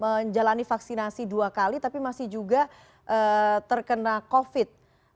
menjalani vaksinasi dua kali tapi masih juga terkena covid